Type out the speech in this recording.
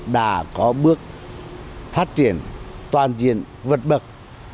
đã có bước phát triển toàn diện vật bậc